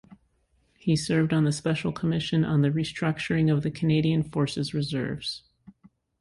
He served on the Special Commission on the Restructuring of the Canadian Forces Reserves.